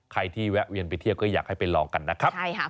ใครที่แวะเวียนไปเที่ยวก็อยากให้ไปลองกันนะครับ